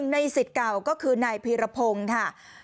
ในสิทธิ์เก่าก็คือนายพีรพงศ์ค่ะ